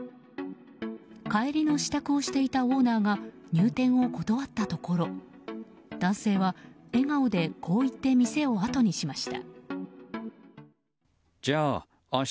帰りの支度をしていたオーナーが入店を断ったところ男性は、笑顔でこう言って店をあとにしました。